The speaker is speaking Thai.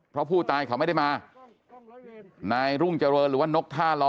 เพราะผู้ตายเขาไม่ได้มานายรุ่งเจริญหรือว่านกท่าล้อ